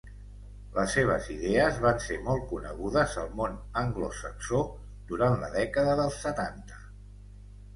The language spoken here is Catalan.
Les seves idees van ser molt conegudes al món anglosaxó durant la dècada dels setanta.